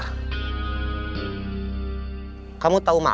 tindakan otak itu makar